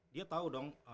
dia tahu dong